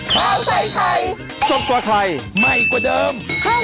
ข้าวใส่ไทยสดกว่าไทยใหม่กว่าเดิม